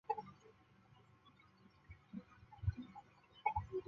撒迦利雅是古代中东国家北以色列王国的君主。